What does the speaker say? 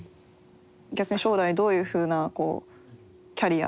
逆に将来どういうふうなキャリア？